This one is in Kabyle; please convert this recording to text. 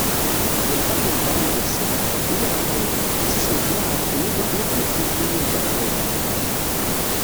Yenṭeq umeqqran deg-sen: "Ay iɣerdayen, ass-a snejmaεeɣ-ken-id akken ad d-naf tikti i lbaṭel-agi"